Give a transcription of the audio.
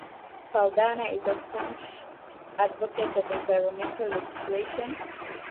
Saldana is a staunch advocate of environmental legislation.